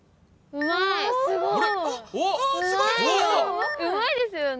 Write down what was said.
うまいですよね。